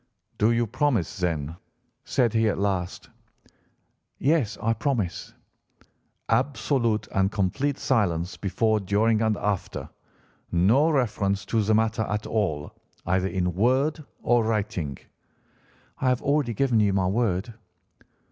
"'Do you promise, then?' said he at last. "'Yes, I promise.' "'Absolute and complete silence before, during, and after? No reference to the matter at all, either in word or writing?' "'I have already given you my word.